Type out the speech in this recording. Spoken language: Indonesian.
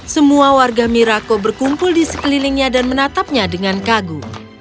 semua warga mirako berkumpul di sekelilingnya dan menatapnya dengan kagu